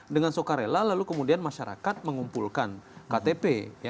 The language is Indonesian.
dengan suka rela lalu kemudian masyarakat mengumpulkan ktp